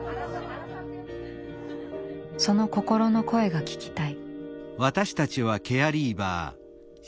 その心の声が聞きたい。